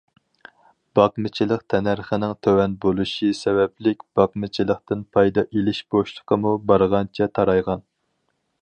باقمىچىلىق تەننەرخىنىڭ تۆۋەن بولۇشى سەۋەبلىك باقمىچىلىقتىن پايدا ئېلىش بوشلۇقىمۇ بارغانچە تارايغان.